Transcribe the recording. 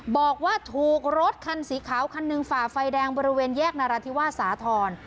บอกว่าถูกรถคันสีขาวคันหนึ่งฝ่าไฟแดงบริเวณแยกนราธิวาสสาธรณ์